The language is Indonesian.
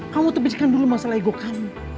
kamu terpisahkan dulu masalah ego kamu